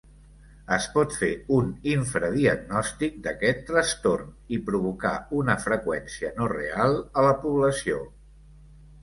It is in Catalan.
Es pot fer un infradiagnòstic d'aquest trastorn i provocar una freqüència no real a la població.